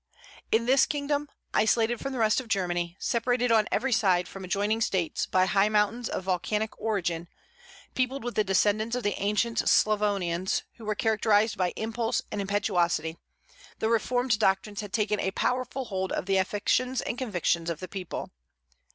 In this kingdom, isolated from the rest of Germany, separated on every side from adjoining States by high mountains of volcanic origin, peopled with the descendants of the ancient Sclavonians, who were characterized by impulse and impetuosity, the reformed doctrines had taken a powerful hold of the affections and convictions of the people.